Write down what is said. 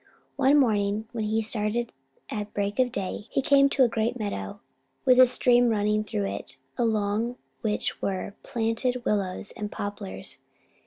One morning, when he had started at break of day, he came to a great meadow with a stream running through it, along which were planted willows and poplars.